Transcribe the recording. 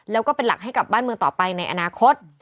แล้วก็เป็นหลักให้กับบ้านเมืองต่อไปในอนาคต